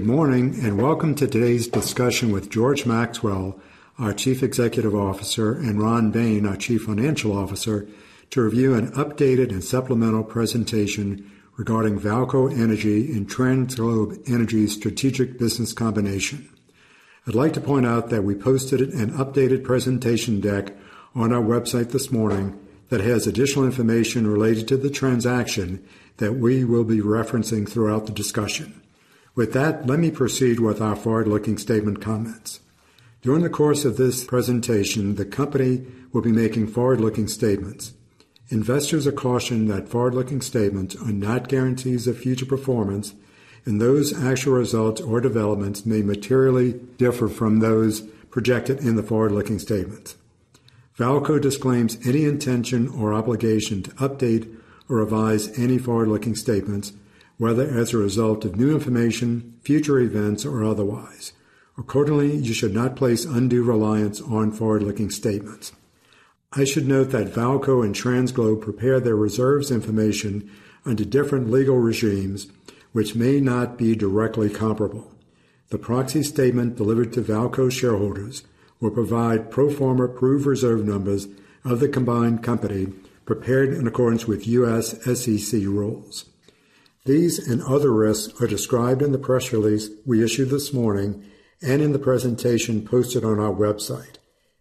Good morning, and welcome to today's discussion with George Maxwell, our Chief Executive Officer, and Ron Bain, our Chief Financial Officer, to review an updated and supplemental presentation regarding VAALCO Energy and TransGlobe Energy strategic business combination. I'd like to point out that we posted an updated presentation deck on our website this morning that has additional information related to the transaction that we will be referencing throughout the discussion. With that, let me proceed with our forward-looking statement comments. During the course of this presentation, the company will be making forward-looking statements. Investors are cautioned that forward-looking statements are not guarantees of future performance, and those actual results or developments may materially differ from those projected in the forward-looking statements. VAALCO disclaims any intention or obligation to update or revise any forward-looking statements, whether as a result of new information, future events, or otherwise. Accordingly, you should not place undue reliance on forward-looking statements. I should note that VAALCO and TransGlobe prepare their reserves information under different legal regimes which may not be directly comparable. The proxy statement delivered to VAALCO shareholders will provide pro forma proved reserve numbers of the combined company prepared in accordance with U.S. SEC rules. These and other risks are described in the press release we issued this morning and in the presentation posted on our website.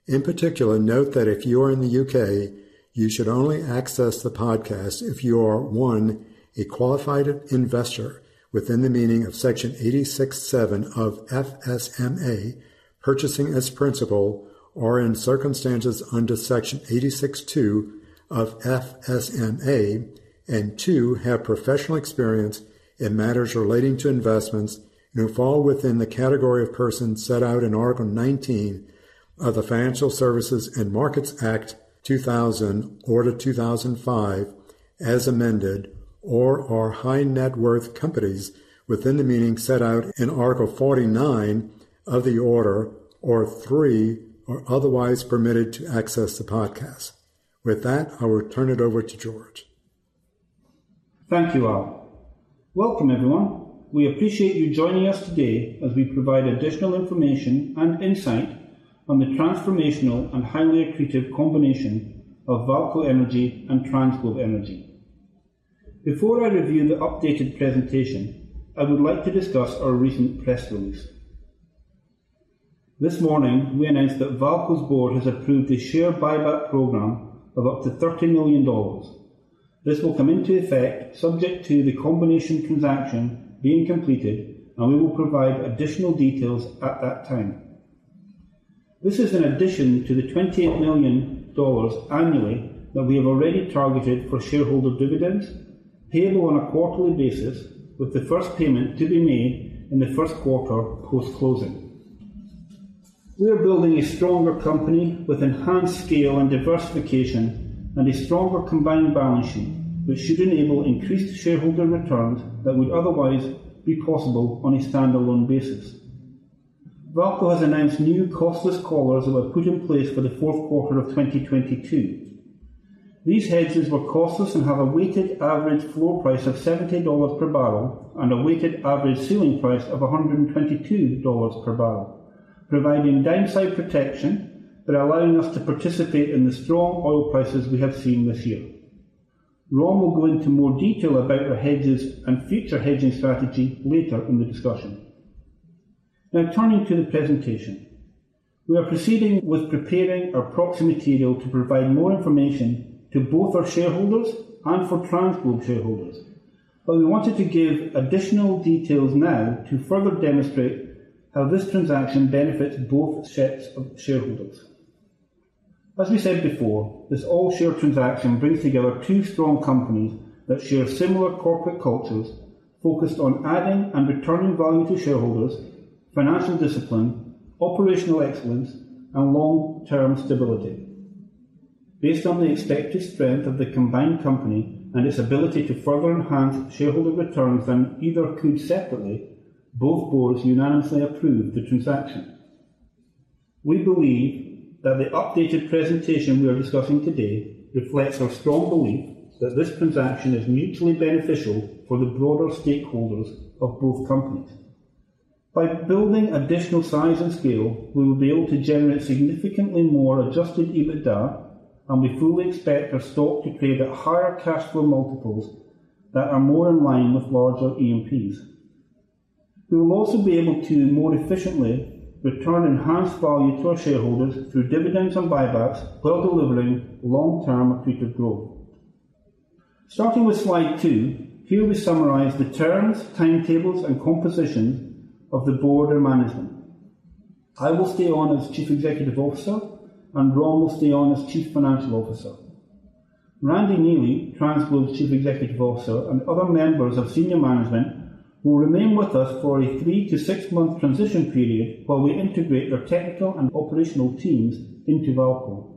In particular, note that if you are in the U.K., you should only access the podcast if you are, 1, a qualified investor within the meaning of Section 867 of FSMA, purchasing as principal or in circumstances under Section 862 of FSMA. Two, have professional experience in matters relating to investments and who fall within the category of persons set out in Article 19 of the Financial Services and Markets Act 2000 Order 2005, as amended, or are high net worth companies within the meaning set out in Article 49 of the Order. Three, are otherwise permitted to access the podcast. With that, I will turn it over to George. Thank you, Al. Welcome, everyone. We appreciate you joining us today as we provide additional information and insight on the transformational and highly accretive combination of VAALCO Energy and TransGlobe Energy. Before I review the updated presentation, I would like to discuss our recent press release. This morning, we announced that VAALCO's board has approved a share buyback program of up to $30 million. This will come into effect subject to the combination transaction being completed, and we will provide additional details at that time. This is in addition to the $28 million annually that we have already targeted for shareholder dividends, payable on a quarterly basis, with the first payment to be made in the first quarter post-closing. We are building a stronger company with enhanced scale and diversification and a stronger combined balance sheet, which should enable increased shareholder returns that would otherwise be possible on a standalone basis. VAALCO has announced new costless collars that were put in place for the fourth quarter of 2022. These hedges were costless and have a weighted average floor price of $70 per barrel and a weighted average ceiling price of $122 per barrel, providing downside protection but allowing us to participate in the strong oil prices we have seen this year. Ron will go into more detail about the hedges and future hedging strategy later in the discussion. Now turning to the presentation. We are proceeding with preparing our proxy material to provide more information to both our shareholders and for TransGlobe shareholders. We wanted to give additional details now to further demonstrate how this transaction benefits both sets of shareholders. As we said before, this all-share transaction brings together two strong companies that share similar corporate cultures focused on adding and returning value to shareholders, financial discipline, operational excellence, and long-term stability. Based on the expected strength of the combined company and its ability to further enhance shareholder returns than either could separately, both boards unanimously approved the transaction. We believe that the updated presentation we are discussing today reflects our strong belief that this transaction is mutually beneficial for the broader stakeholders of both companies. By building additional size and scale, we will be able to generate significantly more adjusted EBITDA, and we fully expect our stock to trade at higher cash flow multiples that are more in line with larger E&Ps. We will also be able to more efficiently return enhanced value to our shareholders through dividends and buybacks while delivering long-term accretive growth. Starting with slide two. Here we summarize the terms, timetables, and composition of the board and management. I will stay on as Chief Executive Officer, and Ron will stay on as Chief Financial Officer. Randy Neely, TransGlobe Energy's Chief Executive Officer, and other members of senior management will remain with us for a three- to six--month transition period while we integrate their technical and operational teams into VAALCO.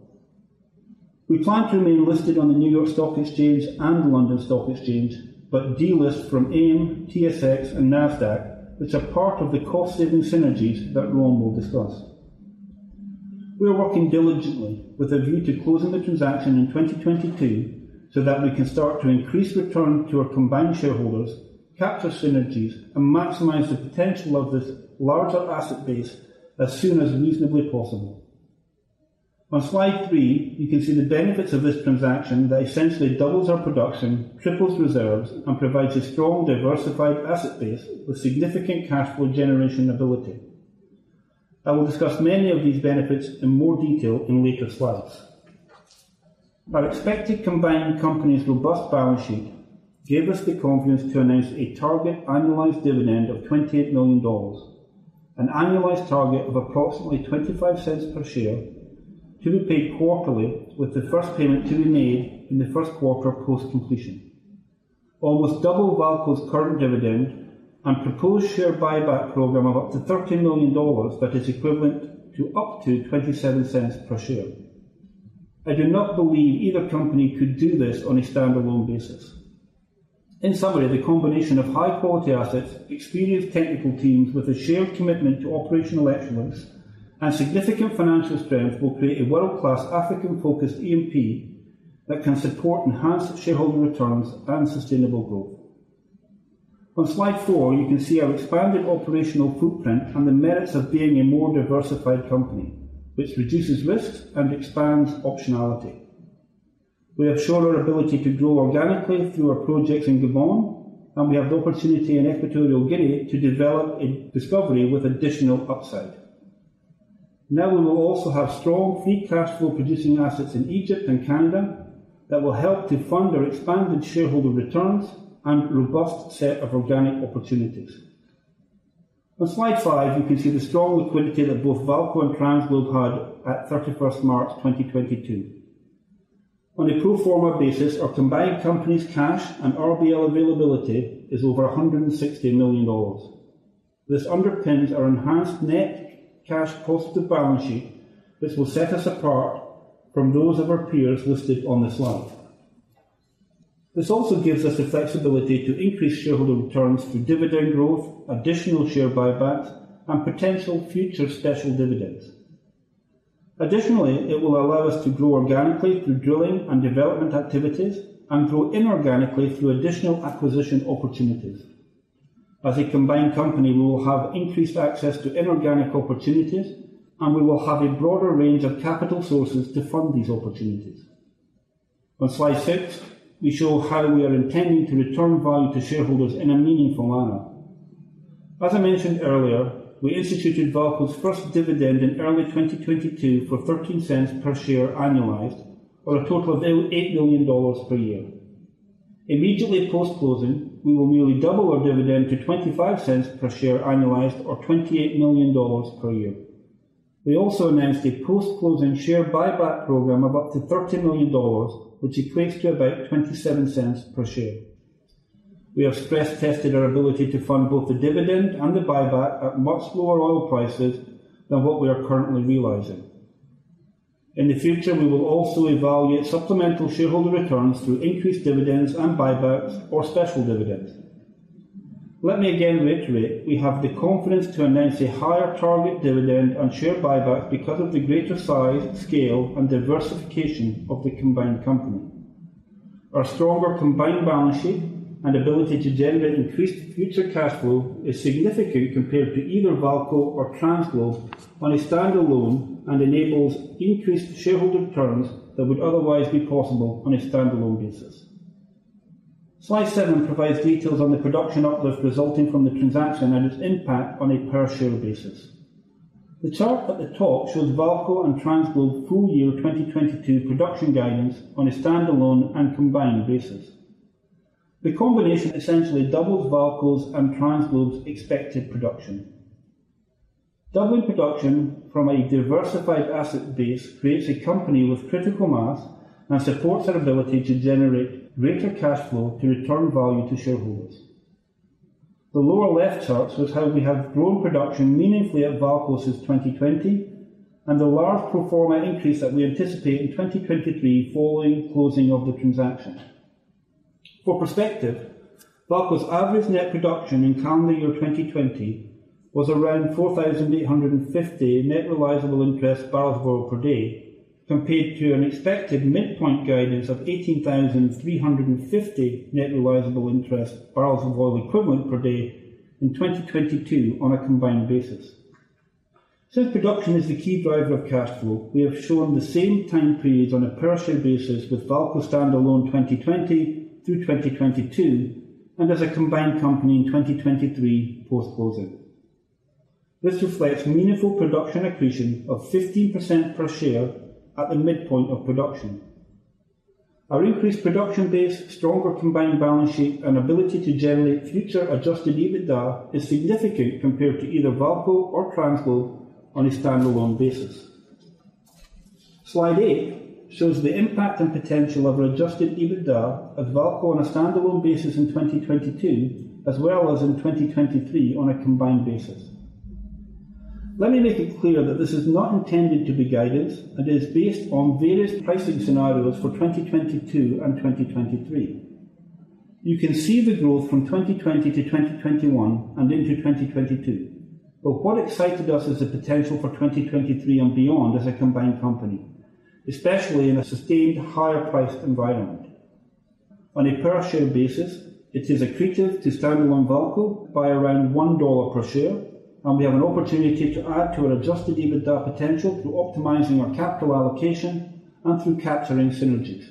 We plan to remain listed on the New York Stock Exchange and the London Stock Exchange, but delist from AIM, TSX, and NASDAQ, which are part of the cost-saving synergies that Ron will discuss. We are working diligently with a view to closing the transaction in 2022 so that we can start to increase return to our combined shareholders, capture synergies, and maximize the potential of this larger asset base as soon as reasonably possible. On slide three, you can see the benefits of this transaction that essentially doubles our production, triples reserves, and provides a strong, diversified asset base with significant cash flow generation ability. I will discuss many of these benefits in more detail in later slides. Our expected combined company's robust balance sheet gave us the confidence to announce a target annualized dividend of $28 million. An annualized target of approximately $0.25 per share to be paid quarterly, with the first payment to be made in the first quarter post completion. Almost double VAALCO's current dividend and proposed share buyback program of up to $30 million that is equivalent to up to $0.27 per share. I do not believe either company could do this on a standalone basis. In summary, the combination of high quality assets, experienced technical teams with a shared commitment to operational excellence and significant financial strength will create a world-class African-focused E&P that can support enhanced shareholder returns and sustainable growth. On slide four, you can see our expanded operational footprint and the merits of being a more diversified company, which reduces risks and expands optionality. We have shown our ability to grow organically through our projects in Gabon, and we have the opportunity in Equatorial Guinea to develop a discovery with additional upside. Now we will also have strong free cash flow producing assets in Egypt and Canada that will help to fund our expanded shareholder returns and robust set of organic opportunities. On slide five, you can see the strong liquidity that both VAALCO and TransGlobe had at 31 March 2022. On a pro forma basis, our combined company's cash and RBL availability is over $160 million. This underpins our enhanced net cash positive balance sheet, which will set us apart from those of our peers listed on this slide. This also gives us the flexibility to increase shareholder returns through dividend growth, additional share buybacks and potential future special dividends. Additionally, it will allow us to grow organically through drilling and development activities and grow inorganically through additional acquisition opportunities. As a combined company, we will have increased access to inorganic opportunities, and we will have a broader range of capital sources to fund these opportunities. On slide six, we show how we are intending to return value to shareholders in a meaningful manner. As I mentioned earlier, we instituted VAALCO's first dividend in early 2022 for $0.13 per share annualized, or a total of about $8 million per year. Immediately post closing, we will nearly double our dividend to $0.25 per share annualized or $28 million per year. We also announced a post-closing share buyback program of up to $30 million, which equates to about $0.27 per share. We have stress tested our ability to fund both the dividend and the buyback at much lower oil prices than what we are currently realizing. In the future, we will also evaluate supplemental shareholder returns through increased dividends and buybacks or special dividends. Let me again reiterate, we have the confidence to announce a higher target dividend and share buybacks because of the greater size, scale, and diversification of the combined company. Our stronger combined balance sheet and ability to generate increased future cash flow is significant compared to either VAALCO or TransGlobe on a standalone and enables increased shareholder returns that would otherwise be possible on a standalone basis. Slide seven provides details on the production uplift resulting from the transaction and its impact on a per share basis. The chart at the top shows VAALCO and TransGlobe full year 2022 production guidance on a standalone and combined basis. The combination essentially doubles VAALCO's and TransGlobe's expected production. Doubling production from a diversified asset base creates a company with critical mass and supports our ability to generate greater cash flow to return value to shareholders. The lower left chart shows how we have grown production meaningfully at VAALCO since 2020, and the large pro forma increase that we anticipate in 2023 following closing of the transaction. For perspective, VAALCO's average net production in calendar year 2020 was around 4,850 net revenue interest barrels of oil per day, compared to an expected midpoint guidance of 18,350 net revenue interest barrels of oil equivalent per day in 2022 on a combined basis. Since production is the key driver of cash flow, we have shown the same time periods on a per share basis with VAALCO standalone 2020 through 2022 and as a combined company in 2023 post-closing. This reflects meaningful production accretion of 15% per share at the midpoint of production. Our increased production base, stronger combined balance sheet and ability to generate future adjusted EBITDA is significant compared to either VAALCO or TransGlobe on a standalone basis. Slide eight shows the impact and potential of our adjusted EBITDA of VAALCO on a standalone basis in 2022 as well as in 2023 on a combined basis. Let me make it clear that this is not intended to be guidance and is based on various pricing scenarios for 2022 and 2023. You can see the growth from 2020 to 2021 and into 2022. What excited us is the potential for 2023 and beyond as a combined company, especially in a sustained higher price environment. On a per share basis, it is accretive to stand-alone VAALCO by around $1 per share, and we have an opportunity to add to our adjusted EBITDA potential through optimizing our capital allocation and through capturing synergies.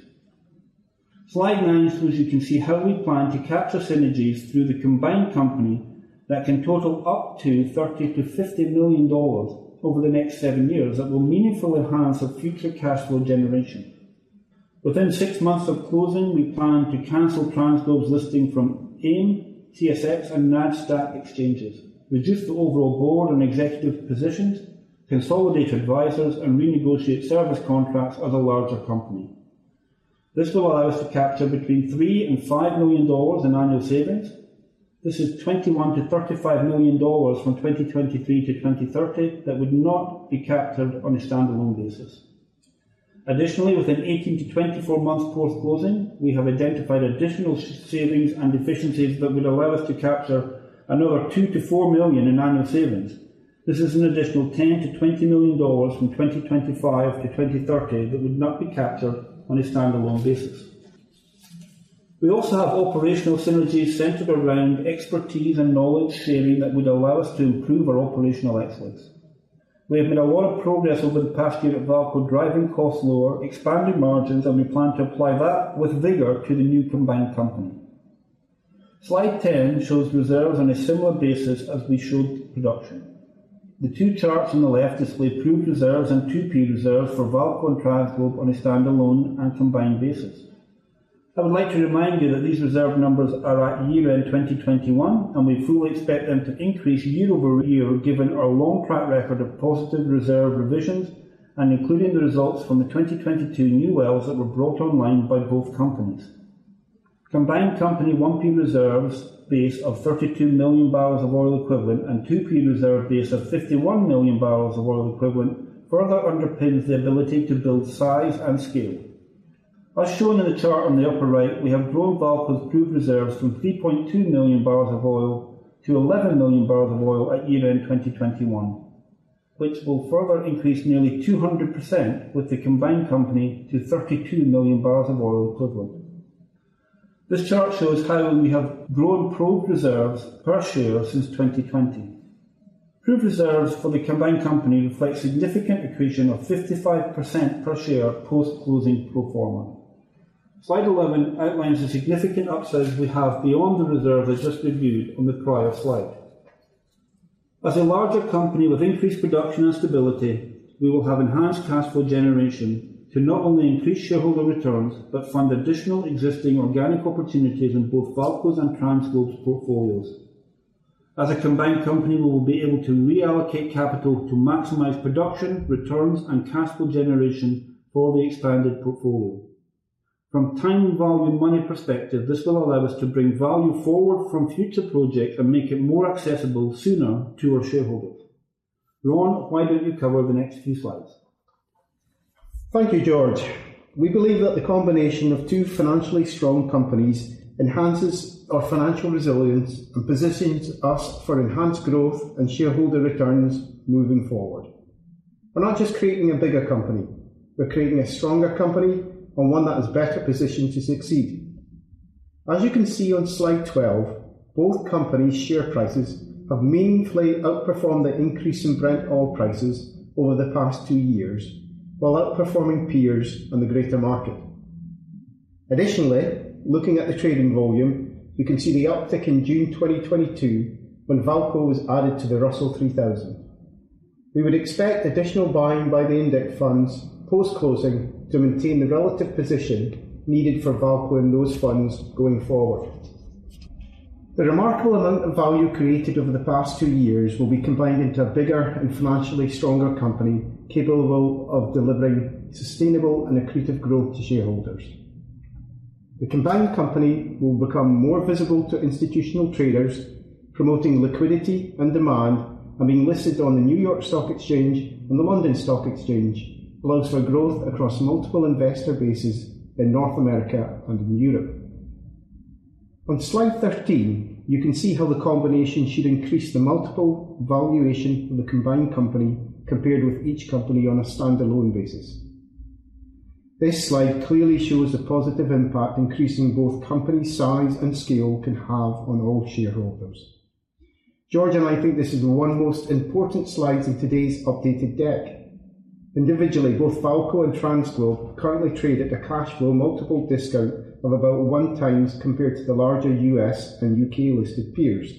Slide nine shows you can see how we plan to capture synergies through the combined company that can total up to $30 million-$50 million over the next seven years that will meaningfully enhance our future cash flow generation. Within six months of closing, we plan to cancel TransGlobe's listing from AIM, TSX, and NASDAQ exchanges, reduce the overall board and executive positions, consolidate advisors, and renegotiate service contracts as a larger company. This will allow us to capture between $3 million and $5 million in annual savings. This is $21-$35 million from 2023 to 2030 that would not be captured on a stand-alone basis. Additionally, within 18-24 months post-closing, we have identified additional savings and efficiencies that would allow us to capture another $2-$4 million in annual savings. This is an additional $10-$20 million from 2025-2030 that would not be captured on a stand-alone basis. We also have operational synergies centered around expertise and knowledge sharing that would allow us to improve our operational excellence. We have made a lot of progress over the past year at VAALCO, driving costs lower, expanding margins, and we plan to apply that with vigor to the new combined company. Slide 10 shows reserves on a similar basis as we showed production. The two charts on the left display proved reserves and 2P reserves for VAALCO and TransGlobe on a stand-alone and combined basis. I would like to remind you that these reserve numbers are at year-end 2021, and we fully expect them to increase year-over-year, given our long track record of positive reserve revisions and including the results from the 2022 new wells that were brought online by both companies. Combined company 1P reserves base of 32 million barrels of oil equivalent and 2P reserve base of 51 million barrels of oil equivalent further underpins the ability to build size and scale. As shown in the chart on the upper right, we have grown VAALCO's proved reserves from 3.2 million barrels of oil to 11 million barrels of oil at year-end 2021, which will further increase nearly 200% with the combined company to 32 million barrels of oil equivalent. This chart shows how we have grown proved reserves per share since 2020. Proved reserves for the combined company reflect significant accretion of 55% per share post-closing pro forma. Slide 11 outlines the significant upside we have beyond the reserves as just reviewed on the prior slide. As a larger company with increased production and stability, we will have enhanced cash flow generation to not only increase shareholder returns but fund additional existing organic opportunities in both VAALCO's and TransGlobe's portfolios. As a combined company, we will be able to reallocate capital to maximize production, returns, and cash flow generation for the expanded portfolio. From time value of money perspective, this will allow us to bring value forward from future projects and make it more accessible sooner to our shareholders. Ron, why don't you cover the next few slides? Thank you, George. We believe that the combination of two financially strong companies enhances our financial resilience and positions us for enhanced growth and shareholder returns moving forward. We're not just creating a bigger company, we're creating a stronger company and one that is better positioned to succeed. As you can see on slide 12, both companies' share prices have meaningfully outperformed the increase in Brent oil prices over the past two years while outperforming peers and the greater market. Additionally, looking at the trading volume, you can see the uptick in June 2022 when VAALCO was added to the Russell 3000. We would expect additional buying by the index funds post-closing to maintain the relative position needed for VAALCO in those funds going forward. The remarkable amount of value created over the past two years will be combined into a bigger and financially stronger company capable of delivering sustainable and accretive growth to shareholders. The combined company will become more visible to institutional traders, promoting liquidity and demand, and being listed on the New York Stock Exchange and the London Stock Exchange allows for growth across multiple investor bases in North America and in Europe. On slide 13, you can see how the combination should increase the multiple valuation of the combined company compared with each company on a stand-alone basis. This slide clearly shows the positive impact increasing both companies' size and scale can have on all shareholders. George and I think this is one of the most important slides in today's updated deck. Individually, both VAALCO and TransGlobe currently trade at a cash flow multiple discount of about one times compared to the larger U.S. and U.K.-listed peers.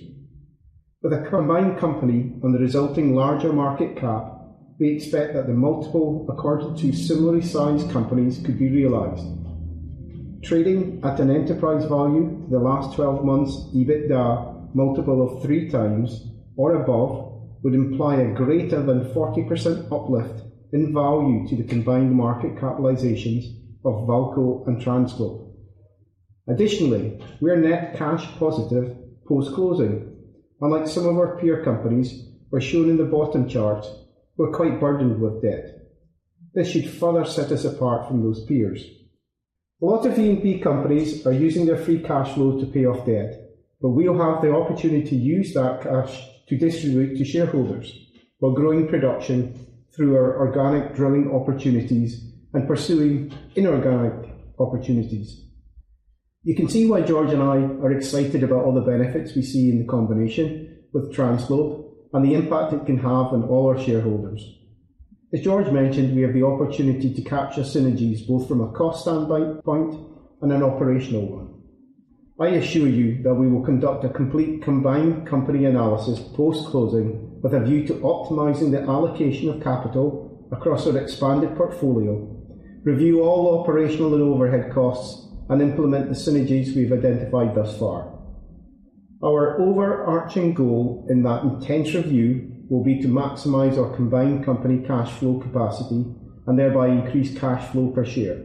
With a combined company on the resulting larger market cap, we expect that the multiple according to similarly sized companies could be realized. Trading at an enterprise value to the last 12 months EBITDA multiple of three times or above would imply a greater than 40% uplift in value to the combined market capitalizations of VAALCO and TransGlobe. Additionally, we are net cash positive post-closing. Unlike some of our peer companies, as shown in the bottom chart, we're quite burdened with debt. This should further set us apart from those peers. A lot of E&P companies are using their free cash flow to pay off debt, but we'll have the opportunity to use that cash to distribute to shareholders while growing production through our organic drilling opportunities and pursuing inorganic opportunities. You can see why George and I are excited about all the benefits we see in the combination with TransGlobe and the impact it can have on all our shareholders. As George mentioned, we have the opportunity to capture synergies both from a cost standpoint and an operational one. I assure you that we will conduct a complete combined company analysis post-closing with a view to optimizing the allocation of capital across our expanded portfolio, review all operational and overhead costs, and implement the synergies we've identified thus far. Our overarching goal in that intense review will be to maximize our combined company cash flow capacity and thereby increase cash flow per share.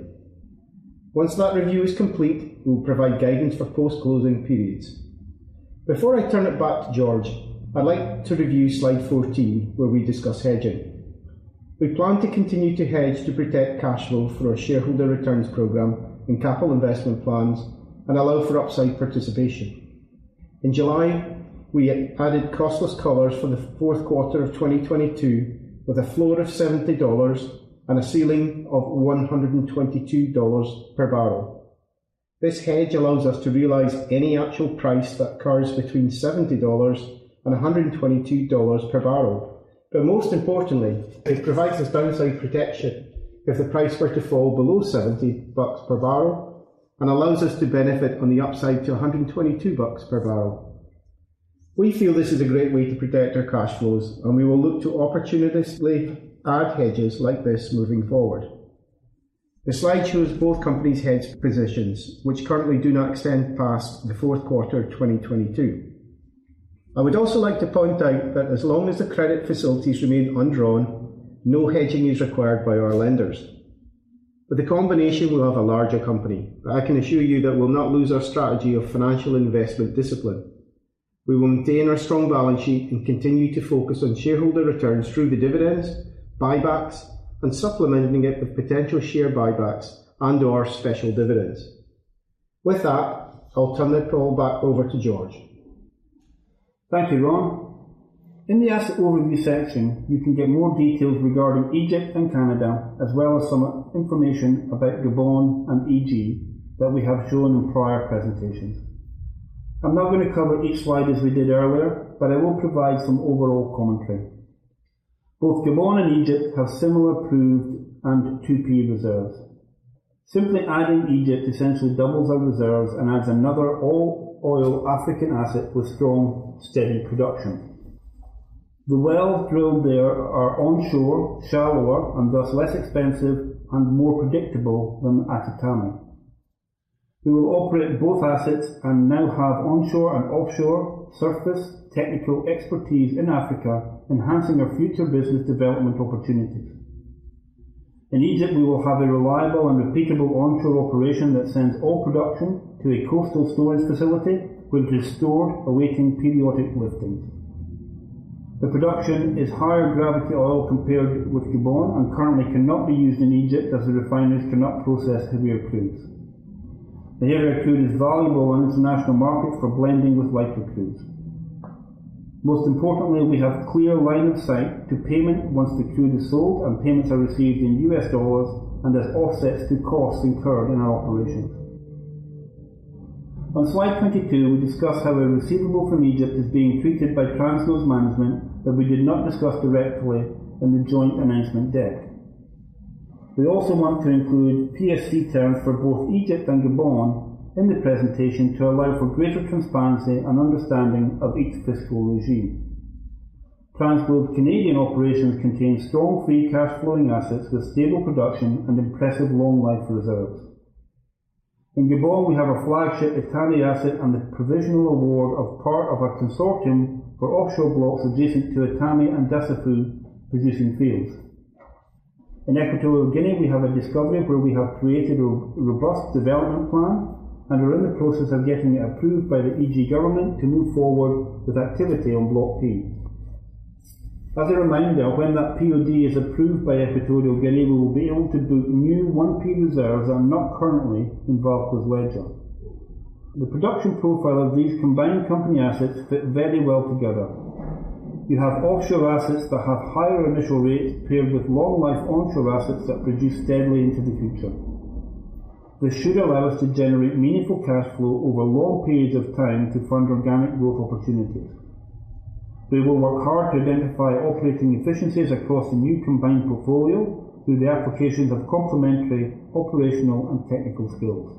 Once that review is complete, we will provide guidance for post-closing periods. Before I turn it back to George, I'd like to review slide 14, where we discuss hedging. We plan to continue to hedge to protect cash flow for our shareholder returns program and capital investment plans and allow for upside participation. In July, we added costless collars for the fourth quarter of 2022 with a floor of $70 and a ceiling of $122 per barrel. This hedge allows us to realize any actual price that occurs between $70 and $122 per barrel. Most importantly, it provides us downside protection if the price were to fall below $70 per barrel and allows us to benefit on the upside to $122 per barrel. We feel this is a great way to protect our cash flows, and we will look to opportunistically add hedges like this moving forward. The slide shows both companies' hedge positions, which currently do not extend past the fourth quarter of 2022. I would also like to point out that as long as the credit facilities remain undrawn, no hedging is required by our lenders. With the combination, we'll have a larger company, but I can assure you that we'll not lose our strategy of financial investment discipline. We will maintain our strong balance sheet and continue to focus on shareholder returns through the dividends, buybacks, and supplementing it with potential share buybacks and/or special dividends. With that, I'll turn the call back over to George. Thank you, Ron. In the asset overview section, you can get more details regarding Egypt and Canada, as well as some information about Gabon and Egypt that we have shown in prior presentations. I'm not going to cover each slide as we did earlier, but I will provide some overall commentary. Both Gabon and Egypt have similar proved and 2P reserves. Simply adding Egypt essentially doubles our reserves and adds another all-oil African asset with strong, steady production. The wells drilled there are onshore, shallower, and thus less expensive and more predictable than at Etame. We will operate both assets and now have onshore and offshore surface technical expertise in Africa, enhancing our future business development opportunities. In Egypt, we will have a reliable and repeatable onshore operation that sends all production to a coastal storage facility where it is stored, awaiting periodic liftings. The production is higher gravity oil compared with Gabon and currently cannot be used in Egypt as the refineries cannot process heavier crudes. The heavier crude is valuable in international markets for blending with lighter crudes. Most importantly, we have clear line of sight to payment once the crude is sold and payments are received in U.S. dollars and as offsets to costs incurred in our operations. On slide 22, we discuss how a receivable from Egypt is being treated by TransGlobe's management that we did not discuss directly in the joint announcement deck. We also want to include PSC terms for both Egypt and Gabon in the presentation to allow for greater transparency and understanding of each fiscal regime. TransGlobe's Canadian operations contain strong free cash flowing assets with stable production and impressive long life reserves. In Gabon, we have our flagship Etame asset and the provisional award of part of a consortium for offshore blocks adjacent to Etame and Assala producing fields. In Equatorial Guinea, we have a discovery where we have created a robust development plan and are in the process of getting it approved by the EG government to move forward with activity on Block P. As a reminder, when that POD is approved by Equatorial Guinea, we will be able to book new 1P reserves that are not currently in VAALCO's ledger. The production profile of these combined company assets fit very well together. You have offshore assets that have higher initial rates paired with long life onshore assets that produce steadily into the future. This should allow us to generate meaningful cash flow over long periods of time to fund organic growth opportunities. We will work hard to identify operating efficiencies across the new combined portfolio through the applications of complementary operational and technical skills.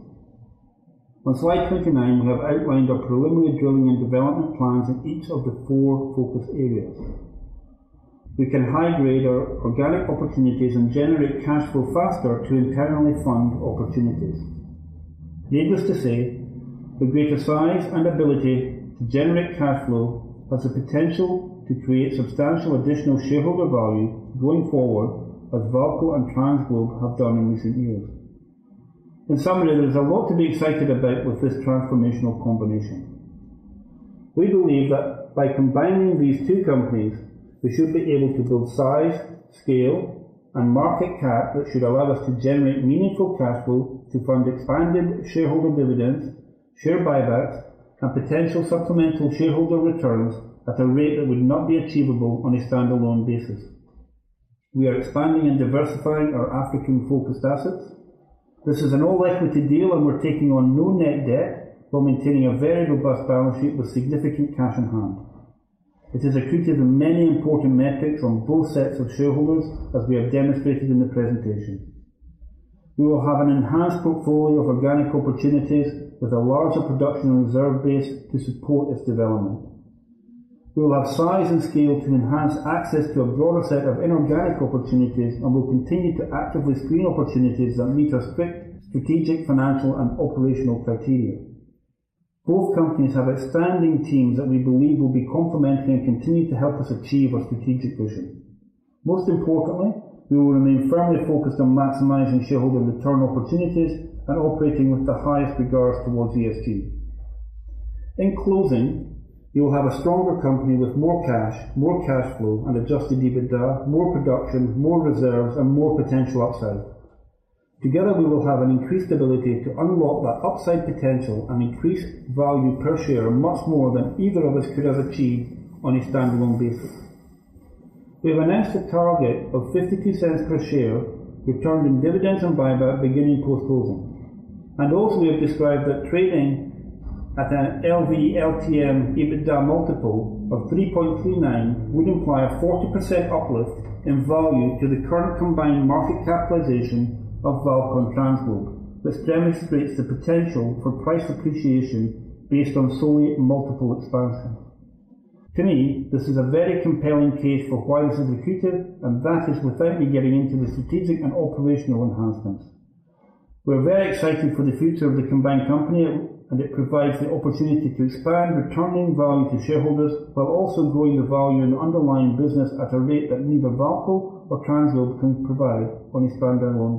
On slide 29, we have outlined our preliminary drilling and development plans in each of the four focus areas. We can high-grade our organic opportunities and generate cash flow faster to internally fund opportunities. Needless to say, the greater size and ability to generate cash flow has the potential to create substantial additional shareholder value going forward as VAALCO and TransGlobe have done in recent years. In summary, there is a lot to be excited about with this transformational combination. We believe that by combining these two companies, we should be able to build size, scale, and market cap that should allow us to generate meaningful cash flow to fund expanded shareholder dividends, share buybacks, and potential supplemental shareholder returns at a rate that would not be achievable on a standalone basis. We are expanding and diversifying our African-focused assets. This is an all-equity deal, and we're taking on no net debt while maintaining a very robust balance sheet with significant cash on hand. It is accretive in many important metrics on both sets of shareholders, as we have demonstrated in the presentation. We will have an enhanced portfolio of organic opportunities with a larger production reserve base to support its development. We will have size and scale to enhance access to a broader set of inorganic opportunities, and we'll continue to actively screen opportunities that meet our strict strategic, financial, and operational criteria. Both companies have expanding teams that we believe will be complementary and continue to help us achieve our strategic vision. Most importantly, we will remain firmly focused on maximizing shareholder return opportunities and operating with the highest regards towards ESG. In closing, you will have a stronger company with more cash, more cash flow and adjusted EBITDA, more production, more reserves, and more potential upside. Together, we will have an increased ability to unlock that upside potential and increase value per share much more than either of us could have achieved on a standalone basis. We have announced a target of $0.52 per share returned in dividends and buyback beginning post-closing. Also, we have described that trading at an EV LTM EBITDA multiple of 3.39 would imply a 40% uplift in value to the current combined market capitalization of VAALCO and TransGlobe. This demonstrates the potential for price appreciation based on solely multiple expansion. To me, this is a very compelling case for why this is accretive, and that is without me getting into the strategic and operational enhancements. We're very excited for the future of the combined company, and it provides the opportunity to expand returning value to shareholders while also growing the value in the underlying business at a rate that neither VAALCO or TransGlobe can provide on a standalone basis.